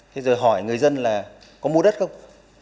thế rồi hỏi người dân là có mua đất không